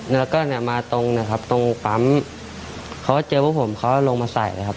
แล้วก็เนี่ยมาตรงนะครับตรงปั๊มเขาก็เจอพวกผมเขาลงมาใส่เลยครับ